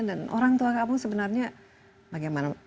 dan orang tua kamu sebenarnya bagaimana